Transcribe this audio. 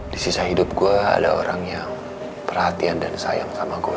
di sisa hidup gue ada orang yang perhatian dan sayang sama gue